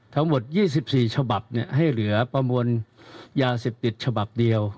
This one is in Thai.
ทั้งหมด๒๔ฉบับให้เหลือประมวลยาเสพติดฉบับเดียว